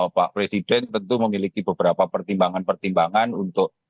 pak presiden tentu memiliki beberapa pertimbangan pertimbangan untuk